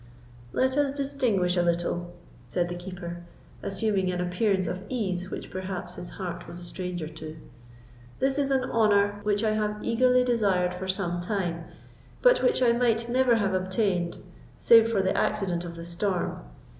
"Let us distinguish a little," said the Keeper, assuming an appearance of ease which perhaps his heart was a stranger to; "this is an honour which I have eagerly desired for some time, but which I might never have obtained, save for the accident of the storm.